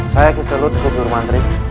saya kisilut gubernur mantri